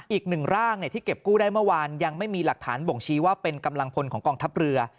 อีกหนึ่งร่างที่เก็บกู้ได้เมื่อวานยังไม่มีหลักฐานบ่งชี้ว่าเป็นกำลังพลของกองทัพเรือ